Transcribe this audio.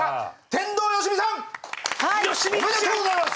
よしみちゃん！おめでとうございます。